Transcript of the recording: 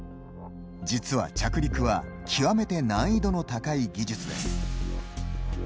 実は着陸は極めて難易度の高い技術です。